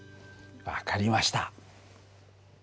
分かりました。